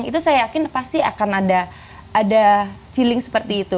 itu saya yakin pasti akan ada feeling seperti itu